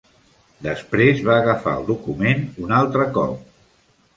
Després va agafar el document un altre cop.